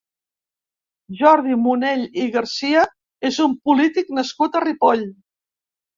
Jordi Munell i Garcia és un polític nascut a Ripoll.